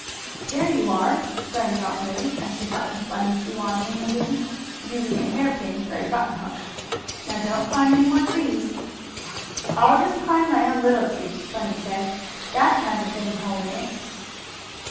"There you are!" exclaimed Aunt Lu, as she buttoned Bunny's shoe on him again, using a hairpin for a buttonhook. "Now don't climb any more trees." "I'll just climb my own little tree," Bunny said. "That hasn't any hole in it."